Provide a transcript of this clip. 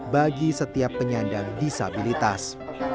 bagi setiap penyandang disabilitas